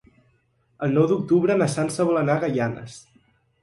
El nou d'octubre na Sança vol anar a Gaianes.